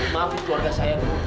maaf keluarga saya bu